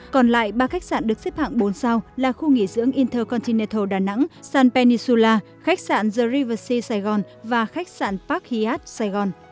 còn lại ba khách sạn được xếp hạng bốn sao là khu nghỉ dưỡng intercontinental đà nẵng san peninsula khách sạn the river sea sài gòn và khách sạn park hyat sài gòn